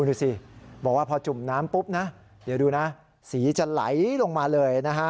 ดูสิพอจุ่มน้ำปรุ๊บสีจะไหลลงมาเลย